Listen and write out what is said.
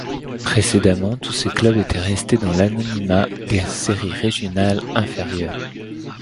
Précédemment tous ces clubs étaient restés dans l’anonymat des séries régionales inférieures.